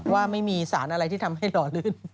ว่าไม่มีสารอะไรที่ทำให้หล่อลื่น